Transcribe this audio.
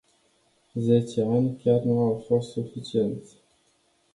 Zece ani chiar nu au fost suficienți”.